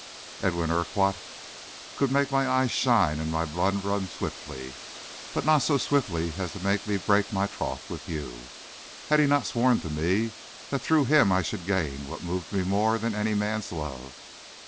Edwin Urquhart could make my eyes shine and my blood run swiftly, but not so swiftly as to make me break my troth with you, had he not sworn to me that through him I should gain what moved me more than any man's love.